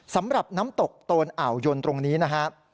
สำหรับน้ำตกโตนอ่าวยนตรงนี้นะฮะ